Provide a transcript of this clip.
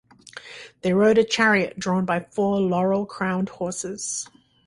They rode a chariot drawn by four laurel-crowned horses.